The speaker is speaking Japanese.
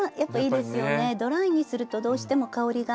ドライにするとどうしても香りが。